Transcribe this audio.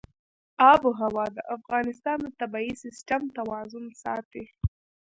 آب وهوا د افغانستان د طبعي سیسټم توازن ساتي.